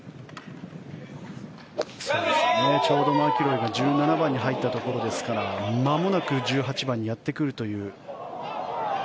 ちょうどマキロイが１７番に入ったところなのでまもなく１８番にやってくるという。